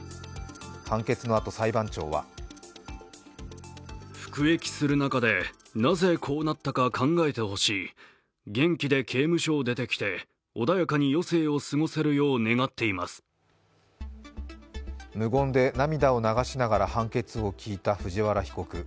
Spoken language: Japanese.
判決のあと裁判長は無言で涙を流しながら判決を聞いた藤原被告。